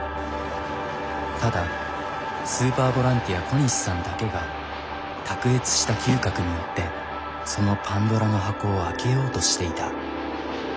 ただスーパーボランティア小西さんだけが卓越した嗅覚によってそのパンドラの箱を開けようとしていた。